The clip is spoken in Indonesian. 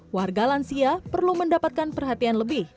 warga lansia perlu mendapatkan perhatian lebih